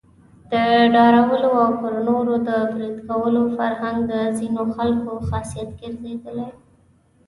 د ډارولو او پر نورو د بريد کولو فرهنګ د ځینو خلکو خاصيت ګرځېدلی.